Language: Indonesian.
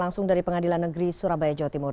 langsung dari pengadilan negeri surabaya jawa timur